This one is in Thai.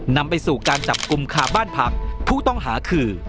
นำไปสู่การจับกลุ่มคาบ้านพักผู้ต้องหาคือ